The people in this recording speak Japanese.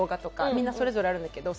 みんなそれぞれあるんだけど。